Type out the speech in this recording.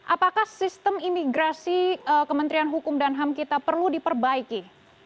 apakah sistem imigrasi kementerian hukum dan ham kita perlu diperbaiki